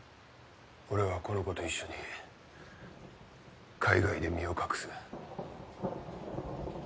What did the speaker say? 俺はこの子と一緒に海外で身を隠す。